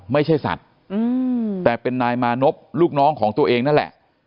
ไม่ใช่สัตว์แต่เป็นนายมานพลูกน้องของตัวเองนั่นแหละ